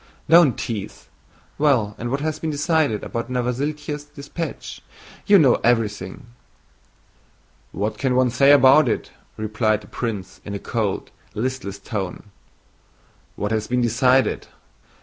"Don't tease! Well, and what has been decided about Novosíltsev's dispatch? You know everything." "What can one say about it?" replied the prince in a cold, listless tone. "What has been decided?